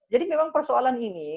jadi memang persoalan ini